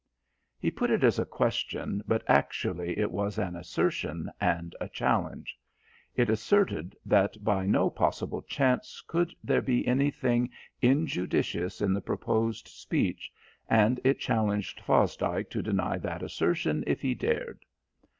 He put it as a question, but actually it was an assertion and a challenge. It asserted that by no possible chance could there be anything injudicious in the proposed speech, and it challenged Fosdike to deny that assertion if he dared.